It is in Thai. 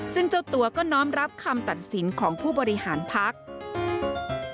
ซึ่งเจ้าตัวก็น้อมรับคำตัดสินของผู้บริหารพัก